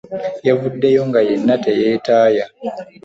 Yavuddeyo nga yenna teyeetaaya.